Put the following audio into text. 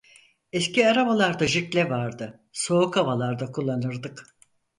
Eski arabalarda jikle vardı, soğuk havalarda kullanırdık.